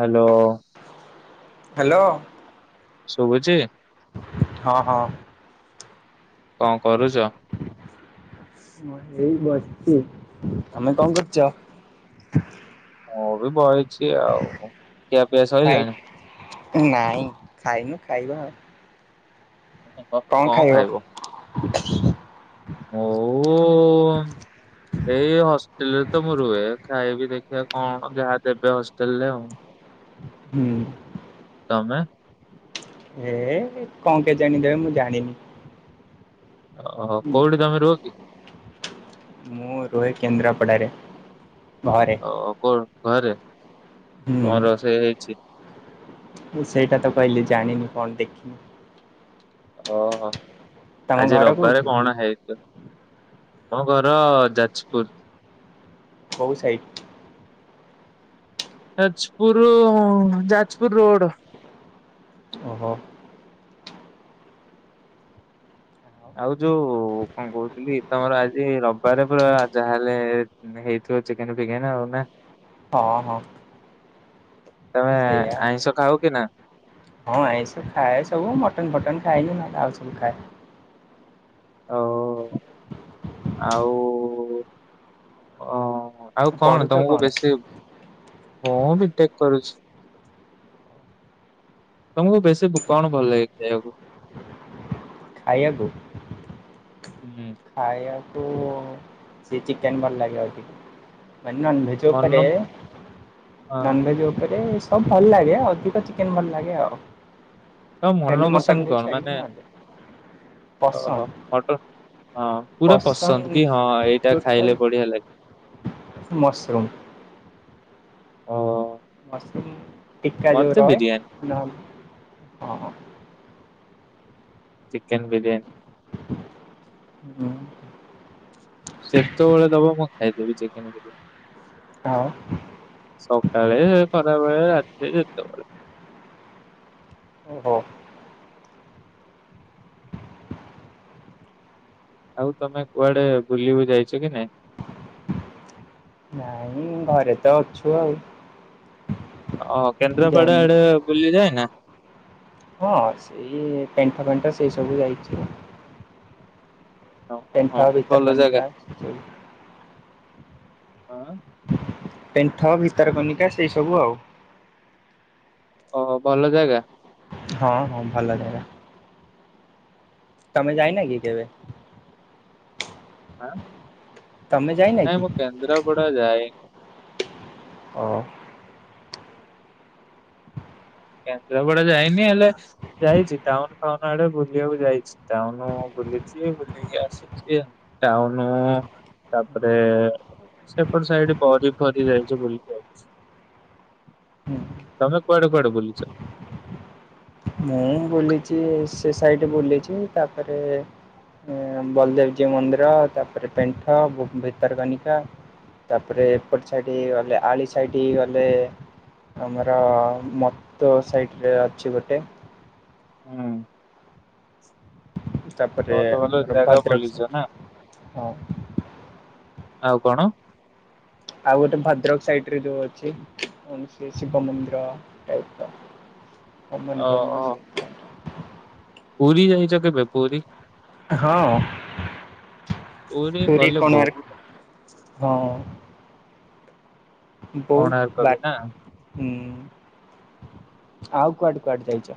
Hello. Hello. ଶୁଭୁଛି। ହଁ ହଁ। କଣ କରୁଛ? ମୁଁ ଏଇ ବସଛି ତମେ କଣ କରୁଛ? ମୁଁ ବି ବଇ ଚି ଆଉ ଖିଆପିଆ ଖାଇ ସଇଲାଣି? ନାଇଁ ଖାଇନୁ ଖାଇବା ଆଉ। କଣ ଖାଇବ? [unintelligible] ମୁଁ ଏଇ ହଷ୍ଟେଲରେ ତ ମୁଁ ରୁହେ ଖାଇବି ଦେଖିବା କଣ ଯାହା ଦେବେ ହଷ୍ଟେଲରେ। ହୁଁ ତମେ ଏ କଣ କେଜାଣିଦେବେ ମୁଁ ଜାଣିନି? ଓହୋ କୋଉଠି ତମେ ରୁହ କି? ମୁଁ ରୁହେ କେନ୍ଦ୍ରାପଡ଼ାରେ। ଆଉ କଣ? ଘରେ। ହୁଁ। କଣ ରୋଷେଇ ହେଇଛି? ମୁଁ ସେଇଟା ତ କହିଲି ଜାଣିନି କଣ ଦେଖିନି। ଓହୋ ତମ ଆଜି ଘର ରବିବାରେ କୋଉଠି କଣ ହେଇଥ ମୋ ଘର ଯାଜପୁର। କଉ ସାଇଟ। ଯାଜପୁରୁ ଯାଜପୁର ରୋଡ। [inaudible] ଓହୋ, ଆଉ ଯୋଉ କଣ କହୁଥିଲି ତମର ଆଜି ରବିବାର ପୁରା ଯାହେ ହେଲେ ହେଇଥିବ ଚିକେନ ଫିକେନ ଆଉ ନା। ହଁ ହଁ। ତମେ ସେଇଆ ଆଇଁଷ ଖାଅ କି ନା? ହଁ ଆଇଁଷ ଖାଏ ସବୁ ମଟନ ଫଟନ ଖାଏନି ନହେଲେ ଆଉସବୁ ଖାଏ। ଓ ଆଉ ଅ ଆଉ କଣ ତମକୁ ବେଶୀ ହଁ ବିଟେକ କରୁଛି, ତମକୁ ବେଶୀ ଭୋ କଣ ଭଲ ଲାଗେ ଖାଇବାକୁ? ଖାଇବାକୁ। ହୁଁ ଖାଇବା ହୁଁ ସେ ଚିକେନ୍ ଭଲ ଲାଗେ ଅଧିକ। ମାନ ନନ୍ଭେଜ୍ ଉପରେ ମନ ହଁ ନନ୍ଭେଜ୍ ଉପରେ ସବୁ ଭଲ ଲାଗେ ଅଧିକ ଚିକେନ ଭଲ ଲାଗେ ଆଉ। ହ ମନ ଖାଲି ମଟନ୍ ପସନ୍ଦ ବି କଣ ଛାଡ଼ିକି ମାନେ ନହେଲେ ଓହୋ ପସନ୍ଦ ମଟନ। ହଁ ପୁରା ପସନ୍ଦ କି ହଁ ଏଇଟା ଟୋଟାଲ୍ ଖାଇଲେ ବଢିଆ ଲାଗେ। ମସରୁମ୍ [unintelligible] ମଶରୁମ ଟିକା ଯଉ ମତେ ରହେ ବିରିୟାନୀ ହଁ ଚିକେନ ବିରିୟାନି। ହୁଁ ଯେତେବେଳେ ଦବ ମୁଁ ଖାଇଦେବି ଚିକେନ। ହଁ ସକାଳେ ଖରାବେଳେ ରାତିରେ ଯେତବେଳେ। ଓହୋ ଆଉ ତମେ କୁଆଡେ ବୁଲିବୁ ଯାଇଛ କି ନାଇ, ନାଇଁ ଘରେ ତ ଅଛୁ ଆଉ। ଓ କେନ୍ଦ୍ରାପଡା ଯାଇନି। ଆଡେ ବୁଲିଯାଏ ନା? ହଁ ସେଇ ଟେଣ୍ଠ ପେଣ୍ଠ ସେଇ ସବୁ ଯାଇଛି। ହଁ ହଁ ଟେଣ୍ଟ ଭଲ ଜାଗା। ଭିତରକନିକା ସେ ହଁ। ପେଣ୍ଠ ଭିତରକନିକା ସେଇ ସବୁ ଆଉ। ଓ ଭଲ ଜାଗା। ହଁ ହଁ ଭଲ ଜାଗା ତମେ ଯାଇନା କି କେବେ? ହଁ ତମେ ଯାଇନା ନାଇଁ କି ମୁଁ କେନ୍ଦ୍ରାପଡା ଯାଏ। ଓ କେନ୍ଦ୍ରାପଡା ଯାଇନି ହେଲେ ଯାଇଛି ଟାଉନ ଫାଉନ ଆଡେ ବୁଲିବାକୁ ଯାଇଛି। ଟାଉନୁ ଆଉ ଟାପରେ ସେପଟ ସାଇଟ୍ ବରି ଫରି ଯାଇଚୁ ବୁଲି କି ଆଇଚି। ମୁଁ ତମେ କୁଆଡେ କୁଆଡେ ବୁଲିଚ? [inaudible] ମୁଁ ବୁଲିଛି ସେ ସାଇଟ ବୁଲିଛି ତାପରେ ବଲଦେବଜୀ ମନ୍ଦିର, ତାପରେ ପେଣ୍ଠ ଭିତରକନିକା ତାପରେ ଏପଟ ସାଇ ଆଳି ସାଇଟ୍ ବଲେ ଆମର ମତ ସାଇଟରେ ଅଛି ଗୋଟେ ହଁ। ତାପରେ ଆମର ଭଦ୍ରକ ସ ନା ହଁ। ଆଉ କଣ? ଆଉ ଗୋଟେ ଭଦ୍ରକ ସାଇଡ ରେ ଯୋଉ ଅଛି କଣ ସେ ଶିବ ମନ୍ଦିର ଟାଇପ ର ଓ କମନ କ ଓ ବିଷୟ ପୁରୀ ଯାଇଛ କେବେ ପୁରୀ ହଁ। ପୁରୀ ଗଲେ ବହୁତ କୋଣାର୍କ ହଁ। ବହୁତ କୋଣାର୍କ ବି ବାଟ୍ ନା। ହୁଁ। ଆଉ କୁଆଡେ କୁଆଡେ ଯାଇଛ।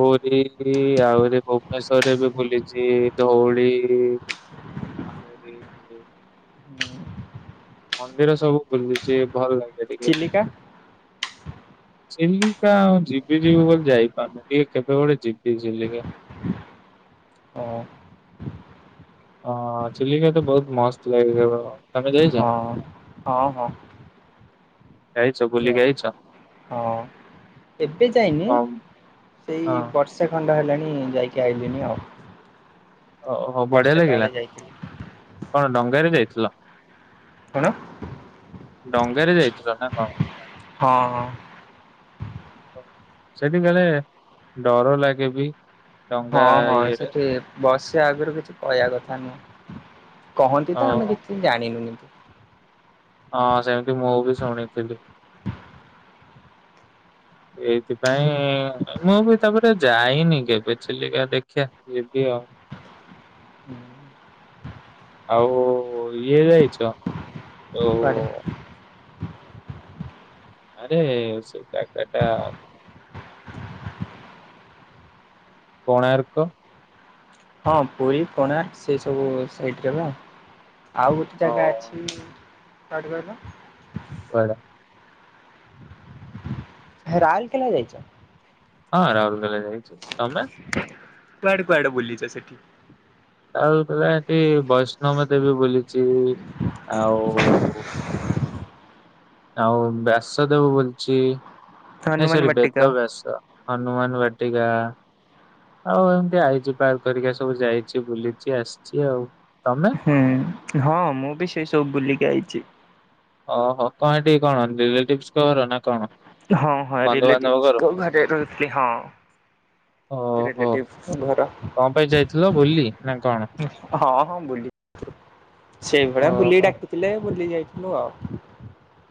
ହରି ଆହୁରି ଭୁବନେଶ୍ଵରରେ ବି ବୁଲିଛି ଧଉଳି ଆହୁରି ମନ୍ଦିର ସବୁ ବୁଲିଛି ଭଲ ଲାଗୁଛି। ଚିଲିକା ଚିଲିକା ଆଉ ଯିବି ଯିବୁ ବୋଲି ଯାଇପାରୁନି ଟିକେ କେବେ ଗୋଟେ ଯିବି ଚିଲିକା। ହଁ। ହଁ ଚିଲିକା ତ ବହୁତ ମସ୍ତ ଲାଗେ। ତମେ ଯାଇଛ? ହଁ ହଁ ହଁ। ଯାଇଛ ଯାଇ ବୁଲିକି ଆଇଛ। ହଁ ଏବେ ଯାଇନି ହଁ ସେଇ ହଁ ବର୍ଷୈ ଖଣ୍ଡ ହେଲାଣି। ଯାଇକି ଆଇିଲିନି ଆଉ। ଓହୋ ବଢିଆ ବର୍ଷେ ଲାଗିଲା ତଳେ ଯାଇଥିଲି। କଣ ଡଙ୍ଗାରୋରେ ଯାଇଛି ପଥିଲା। କଣ? ଡଙ୍ଗାରେ ଯାଇଥିଲ ନା କଣ? ହଁ। ସେଠି କାଳେ ଡର ଲାଗେ ବି। ଡଙ୍ଗା ହଁ ହଁ ଇଏରେ ସେଠି ବସ୍ ସେ ଆଗରୁ କିଛି କହିବା କଥା ନୁହଁ। କହନ୍ତି ତ ଆମେ ହଉ। କିଛି ଜାଣିନୁନି ହଁ ସେମିତି ମୁଁ ବି ଶୁଣିଥିଲି। ଏଇଥିପାଇଁ ମୁଁ ବି ତାପରେ ଯାଇନି କେବେ ଚିଲିକା ଦେଖିଆ ଯିବି ଆଉ। ଆଉ ଇଏ ଯାଇଛ। ଓହୋ। କୁଆଡେ ଆରେ ସେ ଜାଗାଟା। କୋଣାର୍କ। ହଁ ପୁରୀ ପଣା ସେ ସବୁ ସେଇଠି ର ପା। ଆଉ ଗୋଟେ ଜାଗା ଅଛି। [unintelligible] [unintelligible] ରାଉଲକେଲା ଯାଇଛ। ହଁ ରାଉଲକେଲା ଯାଇଛି ତମେ। କୁଆଡେ କୁଆଡେ ବୁଲିଛ ସେଠି। ଆଉ ଏଠି ବୈଷ୍ଣବ ଦେବୀ ବୁଲିଛି ଆଉ। ଆଉ ବ୍ୟାସଦେବ ବୁଲିଛି। ଏ ହନୁମାନ ସରି ବାଟିକା ବେଦବ୍ୟାସ ହନୁମାନ ବାଟି। ଏ ଗାଁ ଆଉ ଏମତି ଆଇଚି ପାର୍କ ଟିକେ ସବୁ ଯାଇଛି ବୁଲିଛି ଆସିଛି ଆଉ। ତମେ ହୁଁ ହଁ ମୁଁ ବି ସେଇ ସବୁ ବୁଲିକି ଆଇଛି। ଓହୋ କଣ ଏଠି କଣ ରିଲେଟିଭସ୍ ଙ୍କ ଘର ନା କଣ। ହଁ ହଁ ବନ୍ଧୁବାନ୍ଧବ ରିଲେଟିଭସ୍ ଘର? ଙ୍କ ଘରେ ରହିଥିଲି ହ ଓହୋ ରିଲେଟିଭସ୍ ଙ୍କ ଘର କଣ ପାଇଁ ଯାଇଥିଲ ବୁଲି ନା କଣ? ହ ହ ବୁଲି ସେ ଭଲିଆ ବୁଲି ଓହୋ ଡାକିଥିଲେ ବୁଲିଯାଇଥିଲି। [inaudible]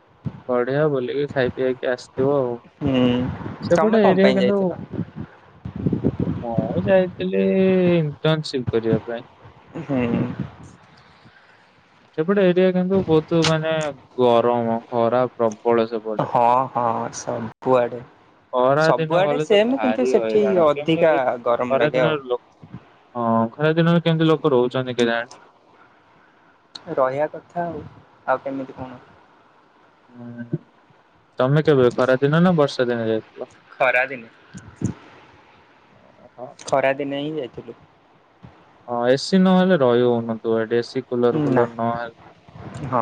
ବଢିଆ ବୁଲିକି ଖାଇପିଇ କି ଆସିଛ। ଯିବ ଆଉ ହୁଁ ତମେ ସେପଟେ କଣ ଏରିଆ ପାଇଁ କିନ୍ତୁ ଯାଇଥିଲ? ହଁ ଯାଇ। ହେଲେ ଇଣ୍ଟର୍ନସିପ କରିବା ପାଇଁ। ହୁଁଉ। ସେପଟେ ଏରିଆ କିନ୍ତୁ ବହୁତ ମାନେ ଗରମ ଖରା ପ୍ରବଳ। ଖରା ସେପଟେ ହଁ ହଁ ସବୁଆଡେ ଖରାଦିନ ସବୁଆଡେ ଗଲେ ତ ସେମ୍ କିନ୍ତୁ ଭାରି ସେଠି ହଇରାଣ ଅଧିକା କେମିତି ଗରମ ଲାଗେ ଆଉ ଖରାଦିନରେ ଲୋକ ହଁ ଖରାଦିନରେ କେମିତି ଲୋକ ରହୁଛନ୍ତି। କେଜାଣି। ରହିବା କଥା ଆଉ ଆଉ କେମିତି କଣ। [inaudible] ତମେ କେବେ ଖରାଦିନ ନା ବର୍ଷା। [inaudible] ଖରା ଦିନେ ଓହୋ ଖରା ଦିନେ ହିଁ ଯାଇଛି। [inaudible] ହଁ ଏସିି ନହେଲେ ରହି ହଉନ ତୁ ଏଠି । କୁଲର ନା ଫୁଲର ନ ଆଣିଲେ। ହଁ।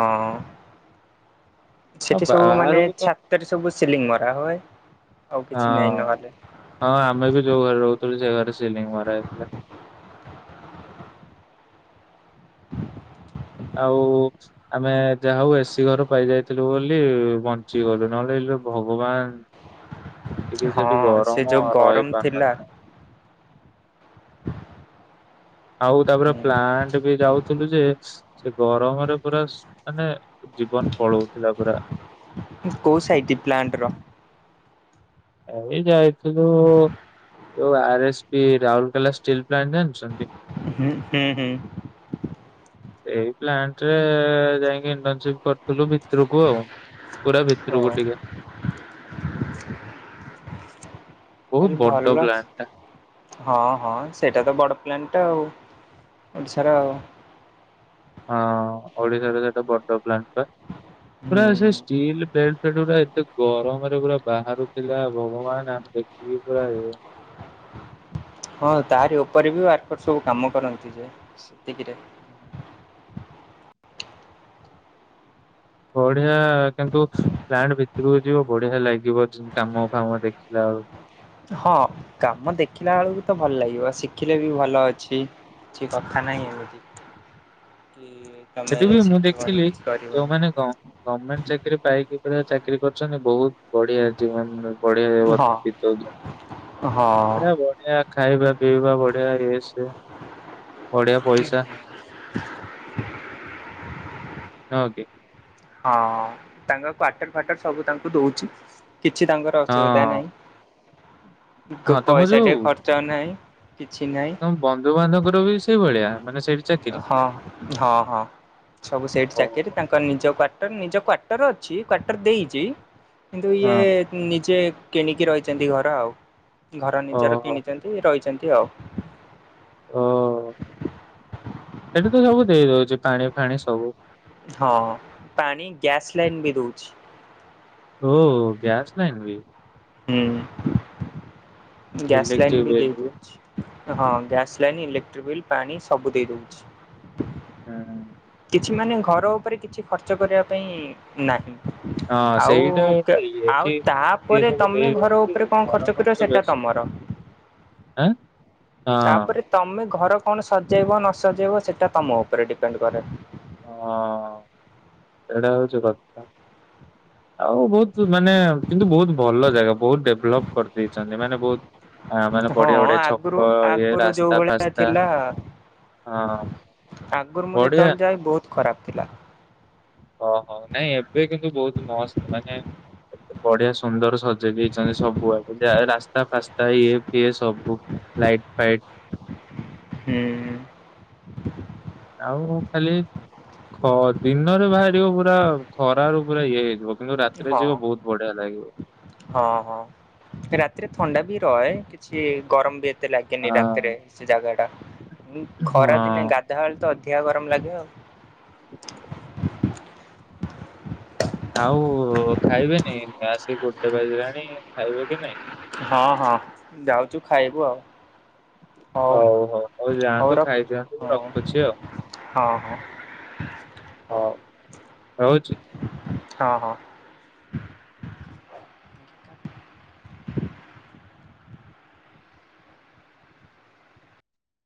ଆଉ ସେଠି ସବୁ ମାନେ ବାହାରକୁ ତ ଛାତରେ ସବୁ ସିଲିଂ ମରା ହୁଏ ଆଉ କିଛି ନାହିଁ ହଁ ନହେଲେ। ହଁ ଆମେ ବି ଯୋଉ ଘରେ ରହୁଥିଲୁ ସେ ଘରେ ସିଲିଂ ମରା ହେଇଥିଲା। ଆଉ ଆମେ ଯାହା ହଉ ଏସି ଘର ପାଇ ଯାଇଥିଲୁ ବୋଲି ବଞ୍ଚି ଗଲୁ ନହେଲେ ଇଲୋ ଭଗବାନ। ଟିକେ ହଁ ସେଠି ସେ ଗରମ ଯୋଉ ରହି ଗରମ ଥିଲା। ପାରୁନଥା ଆଉ ତାପରେ ହୁଁ। ପ୍ଲାଟ ବି ଯାଉଥିଲୁ ଯେ ସେ ଗରମରେ ପୁରା ମାନେ ଜୀବନ ପଳଉଥିଲା ପୁରା। କୋଉ ସାଇଟ୍ ପ୍ଲାଣ୍ଟ ର। ଏଇ ଯାଇଥିଲୁ ଯୋଉ R- S- P Rourkela steel plant ଜାଣିଛନ୍ତି। ହୁଁ ହୁଁ ହୁଁ। ସେଇ ପ୍ଲାଣ୍ଟରେ ଯାଇକି ଇଣ୍ଟରନସିପ କରିଥିଲୁ ଭିତରକୁ ଆଉ। ପୁରା ଓ। ଭିତରକୁ ଟିକେ। ବହୁତ [unintelligible] ବଡ ଭଲ ପ୍ଲାଣ୍ଟ ଟା। ହଁ ହଁ ସେଇଟା ତ ବଡ଼। ପ୍ଲାଟ ଟା ଆଉ ଓଡ଼ିଶାର ଆଉ। ହଁ ଓଡିଶାର ସେଟା ବଡ ପ୍ଲାଟ ଟା ପୁରା ହୁଁ ସେ ଷ୍ଟିଲ ପ୍ଲଟ୍ ସେଟ୍ ଗୁଡ଼ା ଏତେ ଗରମରେ ପୁରା ବାହାରୁଥିଲା ଭଗବାନ ଆମେ ଦେଖିକି ପୁରା। ହଁ ତାରି ଉପରେ ବି ୱାର୍କର ସବୁ କାମ କରନ୍ତି ଯେ ସେତିକିରେ। [inaudible] ବଢ଼ିଆ କିନ୍ତୁ ପ୍ଲାଣ୍ଟ ଭିତରକୁ ଯିବ ବଢିଆ ଲାଗିବ କାମ ଫାମ ଦେଖିଲା ବେଳକୁ। ହଁ କାମ ଦେଖିଲା ବେଳକୁ ତ ଭଲ ଲାଗିବ ଶିଖିଲେ ବି ଭଲ ଅଛି କିଛି କଥା ନାହିଁ ଏମିତି। କି ତମେ ସେଠି ବିି ମୁଁ ଶିଖିବନି ଦେଖିଲି କିଛି କରିବନି। ଯୋଉମାନେ ଗମେଣ୍ଟ ଚାକିରି ପାଇକି। ଏଭଳିଆ ଚାକିରି କରିୁଛନ୍ତି ବହୁତ ବଢିଆ ଜୀବନରେ। ବଢ଼ିଆ ହଁ [unintelligible] ହଁ ପୁରା ବଢିଆଷ, । ଖାଇବା ପିଇବା ବଢ଼ିଆ ଇଏ ସିଏ। ବଢିଆ ପଇସା। ହଁ କି? ହଁ ତାଙ୍କ [unintelligible] ଫାଟ ସବୁ ତାଙ୍କୁ ଦଉଛି। କିଛି ତାଙ୍କର ହଁ ଅସୁବିଧା ନାହିଁ। ହଁ ତମ ପଇସା ଟିକେ ଯୋଉ ଖର୍ଚ୍ଚ ନାହିଁ କିଛି ନାହିଁ ତମ ବନ୍ଧୁବାନ୍ଧବଙ୍କର ବି ସେଇ ଭଳିଆ ମାନେ ସେଇଠି ଚାକିରି? ହଁ ହଁ ହଁ ସବୁ ସେଇଠି ଚାକିରି ଓହୋ ତାଙ୍କର ନିଜ। ତ ନିଜ କ୍ଵାଟର ଅଛି କ୍ଵାଟର ଦେଇଛି। କିନ୍ତୁ ଇଏ ହଁ ନିଜେ କିଣିକି ରହିଛନ୍ତି ଘର ଆଉ। ଘର ନିଜର ଓହୋ କିଣିଛନ୍ତି ରହିଛନ୍ତି। ୟଅ। ହଁ। ସେଠି ତ ସବୁ ଦେଇ ଦଉଛି ପାଣି ଫାଣି ସବୁ। ହଁ ପାଣି ଗ୍ୟାସ ଲାଇନ୍ ବି ଦଉଛି। ଓ ଗ୍ୟାସ ଲାଇନ୍ ବି। ହୁଁ। ଗ୍ୟାସ ଲାଇନ୍ ଇଲେକ୍ଟ୍ରିକ ବି ବିଲ୍ ଦେଇ ଦଉଛି। ହଁ ଗ୍ୟାସ୍ ଲାଇନ୍ ଇଲେକ୍ଟ୍ରିକ ବିଲ୍ ପାଣି ସବୁ ଦେଇଦଉଛି। [unintelligible] କିଛି ମାନେ ଘର ଉପରେ କିଛି ଖର୍ଚ୍ଚ କରିବା ପାଇଁ ନାହିଁ। ହଁ ଆଉ ସେଇଟା ଗୋଟେ ଇଏ ଆଉ କି ସିଏ ତାପରେ ସବୁ ତମେ ଘର ଦେଇଦଉଛି ଉପରେ କଣ ଘର ଖର୍ଚ୍ଚ କର ସେଟା ବେଶୀ ତମର। ଆଁ ତାପରେ ହଁ ତମେ ଘର କଣ ସଜେଇବ ନ ସଜେଇବ ସେଇଟା ତୁମ ଉପରେ ଡିପେଣ୍ଡ କରେ। ହଁ ସେଇଟା ହଉଛିକଥା ଆଉ ବହୁତ ମାନେ କିନ୍ତୁ ବହୁତ ଭଲ ଜାଗା ବହୁତ ଡେଭଲପ କରିଦେଇଛନ୍ତି। ମାନେ ବହୁତ ମାନେ ହଁ ବଢିଆ ବଢିଆ ଛକ ଆଗରୁ ଇଏ ଆଗରୁ ଯୋଉ ରାସ୍ତା ଭଳିଆ ଫାସ୍ତା ଥିଲା। ହଁ ଆଗରୁ ମୁଁ ବଢିଆ ଯେତେବେଳେ ଯାଏ ବହୁତ ଖରାପ ଥିଲା। ଓହୋ ନାଇଁ ଏବେ କିନ୍ତୁ ବହୁତ ମସ୍ତ ମାନେ ଏେ ବଢିଆ ସୁନ୍ଦର ସଜେଇ ଦେଇଇଛନ୍ତି। ସବୁ ଆଡେ ଯା ରାସ୍ତା ଫାସ୍ତା ଇଏ ଫିଏ ସବୁ ଲାଇଟ ଫାଇଟ। ହୁଁ ହ ଆଉ ଖାଲି ଦିନରେ ବାହାରିବ ପୁରା ଖରାାରୁ ପୁରା ଇଏ ହେଇଯିବ। କିନ୍ତୁ ରାତିରେ ହଁ ଯିବ ବହୁତ ବଢିଆ ଲାଗିବ। ହଁ ହଁ ରାତିରେ ଥଣ୍ଡା ବି କିଛି ଗରମ ବ ଲାଗେନି ହଁ ରାତିରେ ସେ ଜାଗା ା [inaudible] ଁ ଖରା ଦିନେ ହଁ। ଗାଧାଆଳ ତ ଅ ଅିଆ ଗରମ ଲାଗେ ଆଉ। [inaudible] ଆଉ ଖାଇବେନି, ଆସିିକି ଗୋଟେ ବାଜିଲାଣି ଖାଇବେ କି ନାଇଁ? ହଁ ହଁ ଯାଉଛୁ। ଖାଇବୁ ଆଉ ହଉ ହଉ ହଉ ଯାଆନ୍ତୁ ରଖୁଛୁ ଖାଇଦିଅନ୍ତୁ ମୁଁ ହଁ ରଖୁଛି ଆଉ ହଁ ହଁ ହଉ। ହଉଛି। ହଁ ହଁ